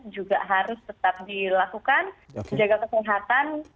juga harus tetap dilakukan menjaga kesehatan